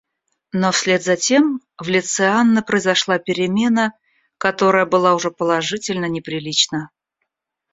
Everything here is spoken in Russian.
Но вслед затем в лице Анны произошла перемена, которая была уже положительно неприлична.